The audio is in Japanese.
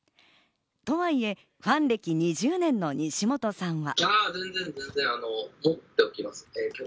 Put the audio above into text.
とはいえファン歴２０年以上の西本さんは。